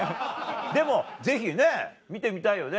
でもぜひね見てみたいよね